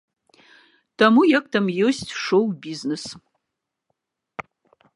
Таму як там ёсць шоў-бізнес.